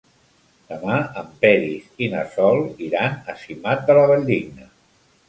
Demà en Peris i na Sol iran a Simat de la Valldigna.